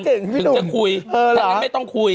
ถึงจะคุยถ้างั้นไม่ต้องคุย